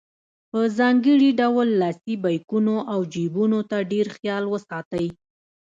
په ځانګړي ډول لاسي بیکونو او جیبونو ته ډېر خیال وساتئ.